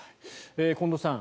近藤さん